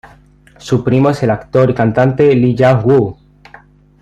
Su primo es el actor y cantante Lee Jang-woo.